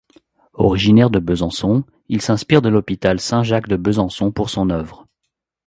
Originaire de Besançon, il s’inspire de l’hôpital Saint-Jacques de Besançon pour son œuvre.